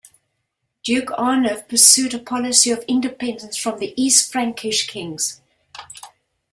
Duke Arnulf pursued a policy of independence from the East Frankish kings.